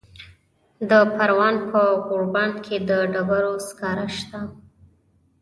د پروان په غوربند کې د ډبرو سکاره شته.